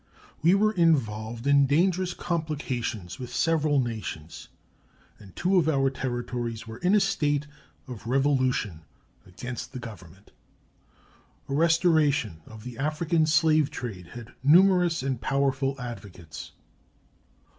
We were involved in dangerous complications with several nations, and two of our Territories were in a state of revolution against the Government. A restoration of the African slave trade had numerous and powerful advocates.